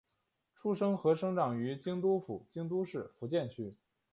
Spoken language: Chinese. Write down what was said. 出身和生长于京都府京都市伏见区。